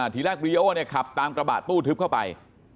ทีแรกรีโอเนี่ยขับตามกระบะตู้ทึบเข้าไป